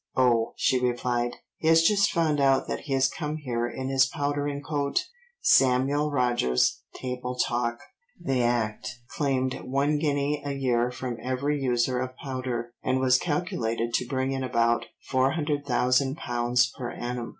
'Oh,' she replied, 'he has just found out that he has come here in his powdering coat.'" (Samuel Rogers, Table Talk.) The Act claimed one guinea a year from every user of powder, and was calculated to bring in about £400,000 per annum.